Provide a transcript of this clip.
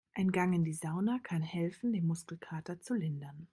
Ein Gang in die Sauna kann helfen, den Muskelkater zu lindern.